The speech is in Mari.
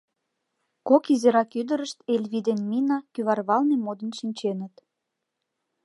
Кок изирак ӱдырышт, Эльви ден Мина, кӱварвалне модын шинченыт.